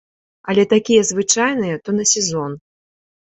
Але такія звычайныя, то на сезон.